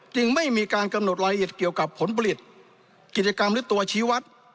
ไม่มีการกำหนดรายละเอียดเกี่ยวกับผลผลิตกิจกรรมหรือตัวชีวัตร